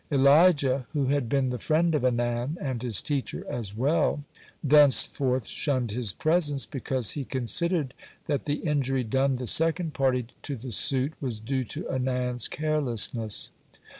Elijah, who had been the friend of Anan and his teacher as well, thenceforth shunned his presence, because he considered that the injury done the second party to the suit was due to Anan's carelessness.